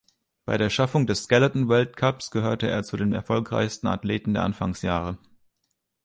Bei der Schaffung des Skeleton-Weltcups gehörte er zu den erfolgreichsten Athleten der Anfangsjahre.